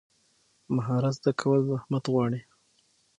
مهارت زده کول زحمت غواړي.